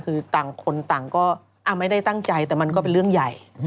คือต่างคนต่างก็ไม่ได้ตั้งใจแต่มันก็เป็นเรื่องใหญ่